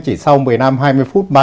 chỉ sau một mươi năm hai mươi phút